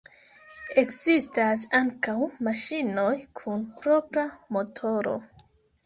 Ekzistas ankaŭ maŝinoj kun propra motoro.